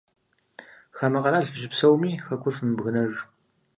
Хамэ къэрал фыщыпсэуми, хэкур фымыбгынэж.